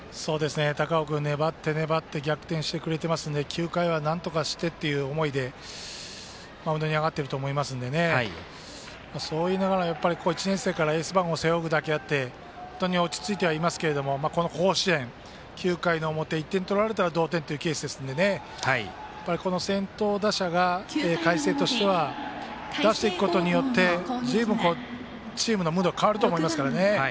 高尾君、粘って逆転してくれてますので、９回はなんとかしてっていう思いでマウンドに上がっていると思いますので１年生からエース番号を背負うだけあって本当に落ち着いてはいますがこの甲子園、９回の表１点取られたら同点というケースですので先頭打者が海星としては出していくことによってずいぶん、チームのムードが変わると思いますからね。